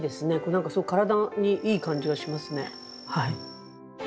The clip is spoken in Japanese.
何かすごく体にいい感じがしますねはい。